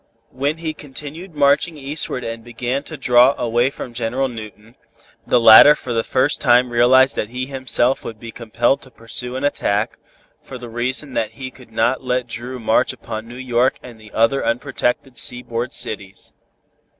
When he continued marching eastward and began to draw away from General Newton, the latter for the first time realized that he himself would be compelled to pursue and attack, for the reason that he could not let Dru march upon New York and the other unprotected seaboard cities.